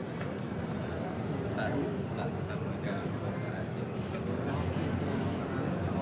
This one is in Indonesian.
jokowi dan juga ma'ruf amin hadir di sana